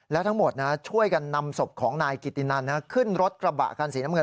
และทั้งหมดช่วยกันนำศพของนายกิตินันขึ้นรถกระบะคันสีน้ำเงิน